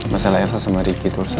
masalah rasa sama riki turut saya